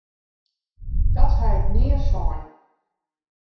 Dat ha ik nea sein!